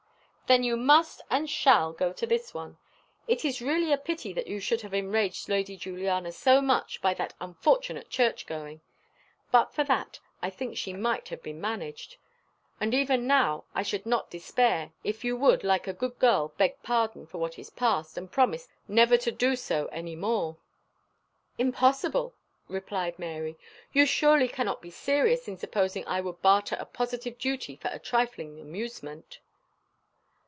"Then you must and shall go to this one. It is really a pity that you should have enraged Lady Juliana so much by that unfortunate church going; but for that, I think she might have been managed; and even now, I should not despair, if you would, like a good girl, beg pardon for what is past, and promise never to do so any more." "Impossible!" replied Mary. "You surely cannot be serious in supposing I would barter a positive duty for a trifling amusement?"